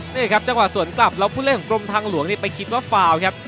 นี่ครับจังหวะสวนกลับแล้วผู้เล่นของกรมทางหลวงนี่ไปคิดว่าฟาวครับ